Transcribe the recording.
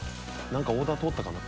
何かオーダー通ったかな？